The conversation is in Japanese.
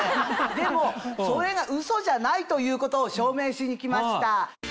でもそれがウソじゃないということを証明しにきました。